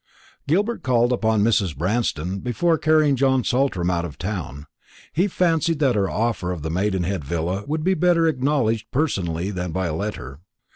Gilbert called upon Mrs. Branston before carrying John Saltram out of town; he fancied that her offer of the Maidenhead villa would be better acknowledged personally than by a letter.